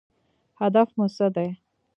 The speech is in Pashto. هدف مو څه دی؟